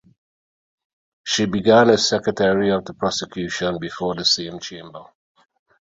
She began as secretary of the prosecution before the same chamber.